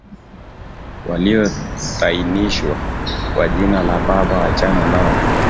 Walioitanishwa kwa jina la Baba, wachana nao.